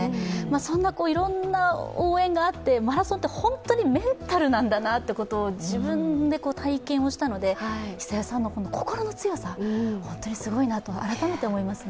そんないろんな応援があって、マラソンって本当にメンタルなんだということを自分で体験をしたので久世さんの心の強さ本当にすごいなと改めて思いますね。